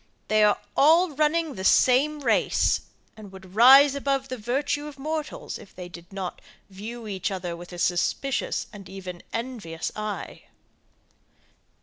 They are all running the same race, and would rise above the virtue of mortals if they did not view each other with a suspicious and even envious eye.